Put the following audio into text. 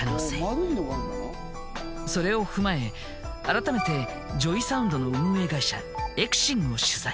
それを踏まえ改めてＪＯＹＳＯＵＮＤの運営会社エクシングを取材。